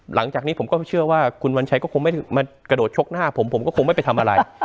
หลังจากนี้ผมก็เชื่อว่าคุณวัญชัยก็คงไม่มากระโดดชกหน้าผมผมก็คงไม่ไปทำอะไร